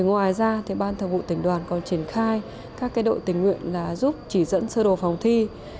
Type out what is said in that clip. ngoài ra ban thường vụ tỉnh đoàn còn triển khai các đội tình nguyện là giúp chỉ dẫn sơ đồ phòng thi